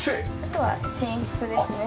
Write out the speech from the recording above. あとは寝室ですね。